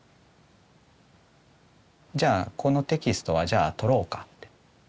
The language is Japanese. じゃあこのテキストはじゃあ取ろうかって。